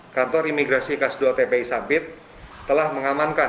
kantor imigrasi kelas dua tpi sampit telah mengamankan